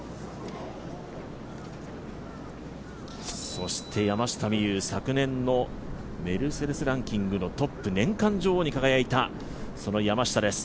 そして山下美夢有、昨年のメルセデスランキング、トップ年間女王に輝いたその山下です。